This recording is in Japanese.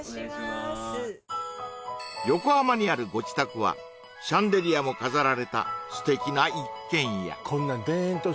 横浜にあるご自宅はシャンデリアも飾られた素敵な一軒家